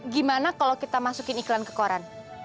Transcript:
gimana kalau kita masukin iklan ke koran